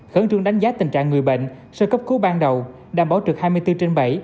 khẩn trương đánh giá tình trạng người bệnh sơ cấp cứu ban đầu đảm bảo trực hai mươi bốn trên bảy